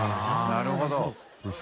なるほど。